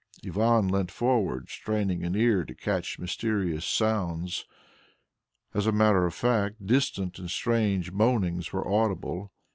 Ivan leant forward, straining his ear to catch mysterious sounds. As a matter of fact distant and strange moanings were audible.